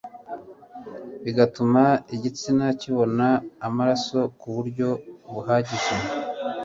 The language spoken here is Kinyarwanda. bigatuma igitsina kibona amaraso ku buryo buhagije